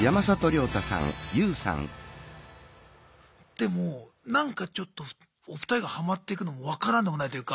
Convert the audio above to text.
でもなんかちょっとお二人がハマってくのも分からんでもないというか。